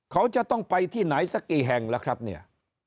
เขาจะต้องไปที่ไหนสักกี่แห่งแล้วครับเนี่ย